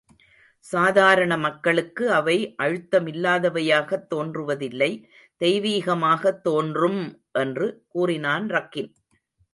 சாதாரண மக்களுக்கு, அவை அழுத்தமில்லாதவையாகத் தோன்றுவதில்லை தெய்வீகமாகத் தோன்றும்! என்று கூறினான் ரக்கின்.